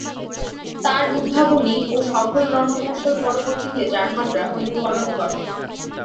তার উদ্ভাবনী ও সফল রণকৌশল পরবর্তীতে জার্মানরা অনুকরণ করে।